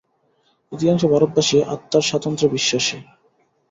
অধিকাংশ ভারতবাসী আত্মার স্বাতন্ত্র্যে বিশ্বাসী।